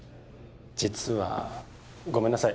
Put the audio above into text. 実はごめんなさい